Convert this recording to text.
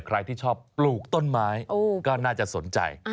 ใครที่ชอบปลูกต้นไม้ก็น่าจะสนใจ